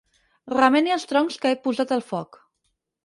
Remeni els troncs que he posat al foc.